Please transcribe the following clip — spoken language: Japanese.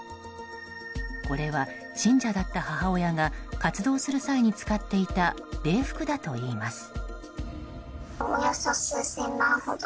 これは信者だった母親が活動する際に使っていた礼服だといいます。